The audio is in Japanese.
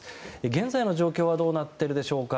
現在の状況はどうなっているでしょうか。